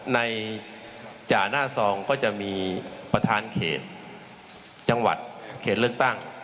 จ่าหน้าซองก็จะมีประธานเขตจังหวัดเขตเลือกตั้ง